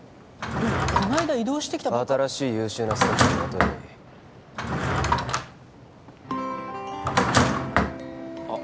でもこの間異動してきたばっか新しい優秀なスタッフを雇えばいいあっ